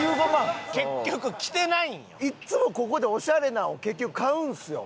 いつもここでオシャレなんを結局買うんですよ。